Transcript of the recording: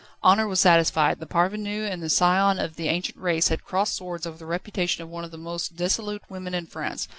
Honour was satisfied: the parvenu and the scion of the ancient race had crossed swords over the reputation of one of the most dissolute women in France.